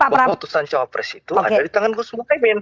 pemutusan cawapres itu ada di tangan gus muhaymin